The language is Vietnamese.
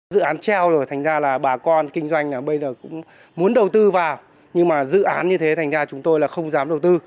dự án treo rồi thành ra là bà con kinh doanh bây giờ cũng muốn đầu tư vào nhưng mà dự án như thế thành ra chúng tôi là không dám đầu tư